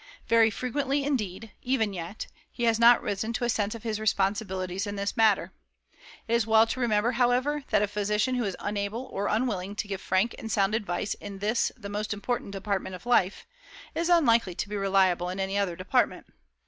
Very frequently, indeed, even yet, he has not risen to a sense of his responsibilities in this matter. It is well to remember, however, that a physician who is unable or unwilling to give frank and sound advice in this most important department of life, is unlikely to be reliable in any other department.